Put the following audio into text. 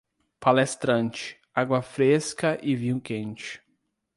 Palestrante, água fresca e vinho quente.